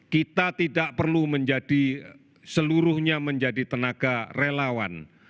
kita tidak perlu menjadi seluruhnya menjadi tenaga relawan